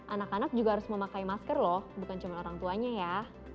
anak anak juga harus memakai masker loh bukan cuma orang tuanya ya